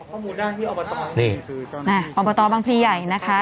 ข้อมูลได้ที่อบตนี่คืออบตบางพลีใหญ่นะคะ